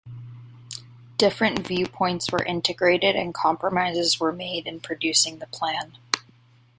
Differing viewpoints were integrated and compromises were made in producing the plan.